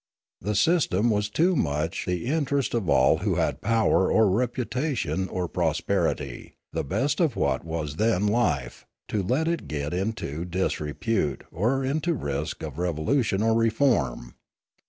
The system was too much the in terest of all who had power or reputation or prosperity, the best of what was then life, to let it get into disre pute, or into risk of revolution or reform.